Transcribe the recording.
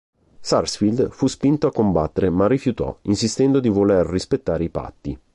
Sarsfield fu spinto a combattere ma rifiutò, insistendo di voler rispettare i patti.